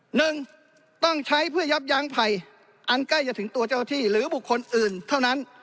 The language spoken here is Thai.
หนึ่งต้องใช้เพื่อยับยั้งภัยอันใกล้จะถึงตัวเจ้าที่หรือบุคคลอื่นเท่านั้น